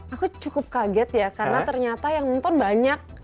aku cukup kaget ya karena ternyata yang nonton banyak